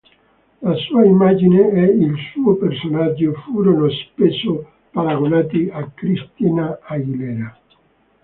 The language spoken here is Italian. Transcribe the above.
La sua immagine e il suo personaggio furono spesso paragonati a Christina Aguilera.